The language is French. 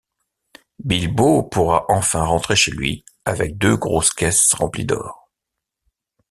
Bilbo pourra enfin rentrer chez lui avec deux grosses caisses remplies d'or.